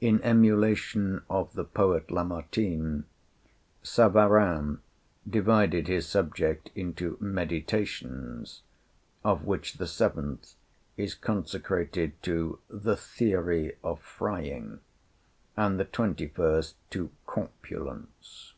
In emulation of the poet Lamartine, Savarin divided his subject into 'Meditations', of which the seventh is consecrated to the 'Theory of Frying', and the twenty first to 'Corpulence'.